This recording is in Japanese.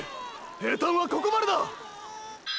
平坦はここまでだ！！